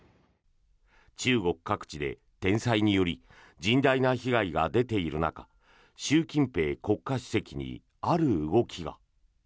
中国各地で天災により甚大な被害が出ている中習近平国家主席にある動きが。